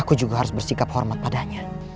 aku juga harus bersikap hormat padanya